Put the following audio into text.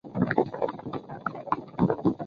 中华尾孢虫为尾孢科尾孢虫属的动物。